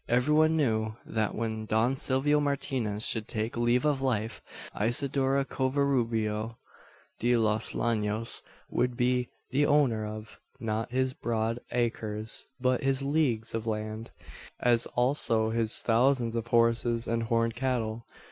Every one knew, that, when Don Silvio Martinez should take leave of life, Isidora Covarubio de los Llanos would be the owner of not his broad acres, but his leagues of land, as also his thousands of horses and horned cattle.